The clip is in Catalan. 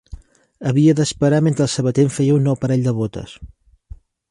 Havia d'esperar mentre el sabater em feia un nou parell de botes